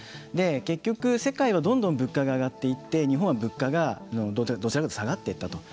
結局世界はどんどん物価が上がっていって日本は物価がどちらかというと下がっていったと。